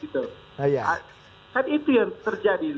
tapi itu yang terjadi